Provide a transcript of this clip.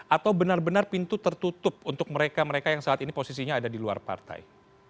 atau benar benar pintu tertutup untuk mereka mereka yang saat ini posisinya ada di luar partai